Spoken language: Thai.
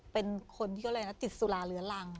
เป็นคนที่ติดสุราเหลือรัง